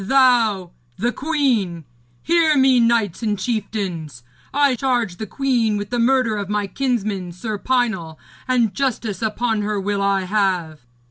Thou the queen! Hear me, knights and chieftains. I charge the queen with the murder of my kinsman, Sir Pinel, and justice upon her will I have.'